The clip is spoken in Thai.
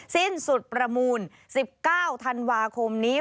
สิ้นสุดประมูล๑๙ธันวาคมนี้